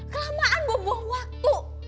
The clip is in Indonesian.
kelamaan buang buang waktu